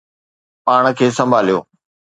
پاڻ کي سنڀاليو